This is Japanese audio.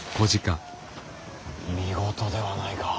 見事ではないか。